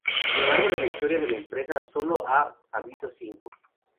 A lo largo de la historia de la empresa sólo ha habido cinco.